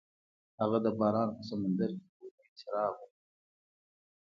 هغه د باران په سمندر کې د امید څراغ ولید.